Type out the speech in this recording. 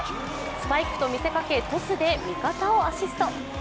スパイクと見せかけトスで味方をアシスト。